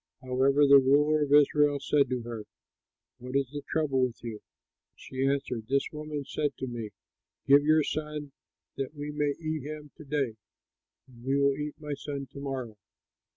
However, the ruler of Israel said to her, "What is the trouble with you?" She answered, "This woman said to me, 'Give your son, that we may eat him to day, and we will eat my son to morrow!'